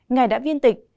ngài đã viên tịch